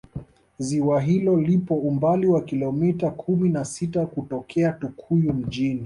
ziwa hilo lipo umbali wa Kilomita kumi na sita kutokea tukuyu mjini